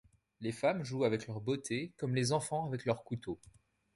Les femmes jouent avec leur beauté comme les enfants avec leur couteau.